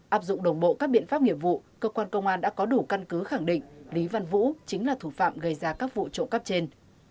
áp dụng đồng bộ các biện pháp nghiệp vụ cơ quan công an đã có đủ căn cứ khẳng định lý văn vũ chính là thủ phạm gây ra các vụ trộm cắp trên